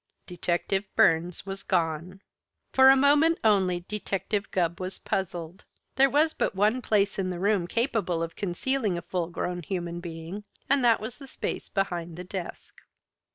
Detective Burns was gone! For a moment only, Detective Gubb was puzzled. There was but one place in the room capable of concealing a full grown human being, and that was the space behind the desk.